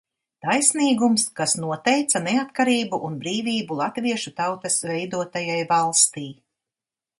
Taisnīgums, kas noteica neatkarību un brīvību latviešu tautas veidotajai valstij.